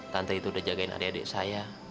tante itu udah jagain adik adik saya